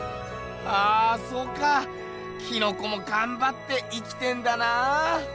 ああそうかキノコもがんばって生きてんだなぁ。